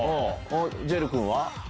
ジェル君は？